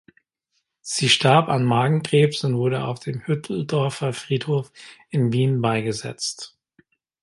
Sie starb an Magenkrebs und wurde auf dem Hütteldorfer Friedhof in Wien beigesetzt.